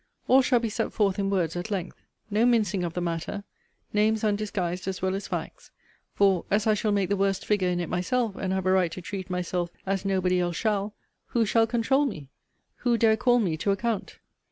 All shall be set forth in words at length. No mincing of the matter. Names undisguised as well as facts. For, as I shall make the worst figure in it myself, and have a right to treat myself as nobody else shall, who shall controul me? who dare call me to account?